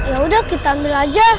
ya udah kita ambil aja